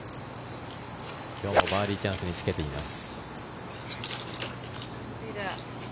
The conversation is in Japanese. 今日もバーディーチャンスにつけています。